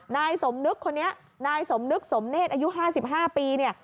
นายสมนึกคนนี้นายสมนึกสมเนธอายุ๕๕ปีเนี่ย